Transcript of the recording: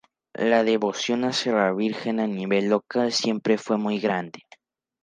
La devoción hacia la Virgen, a nivel local, siempre fue muy grande.